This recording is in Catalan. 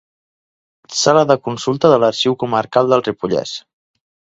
Sala de consulta de l'Arxiu Comarcal del Ripollès.